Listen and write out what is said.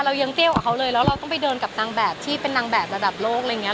เรายังเปรี้ยวกับเขาเลยแล้วเราต้องไปเดินกับนางแบบที่เป็นนางแบบระดับโลกอะไรอย่างเงี้